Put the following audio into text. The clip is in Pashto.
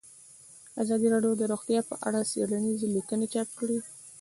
ازادي راډیو د روغتیا په اړه څېړنیزې لیکنې چاپ کړي.